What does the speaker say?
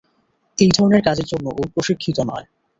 এই ধরনের কাজের জন্য ও প্রশিক্ষিত নয়।